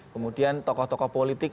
kemudian tokoh tokoh politik